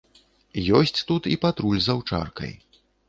Ёсць тут і патруль з аўчаркай.